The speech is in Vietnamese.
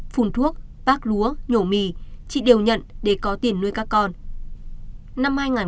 phùng thuốc bác lúa nhổ mì chị đều nhận